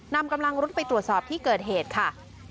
นำกำลังรุดไปตรวจสอบที่เกิดเหตุค่ะ